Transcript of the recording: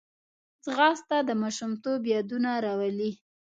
ځغاسته د ماشومتوب یادونه راولي